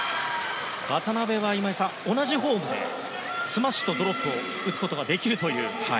渡辺は、今井さん同じフォームでスマッシュとドロップを打つことができるという。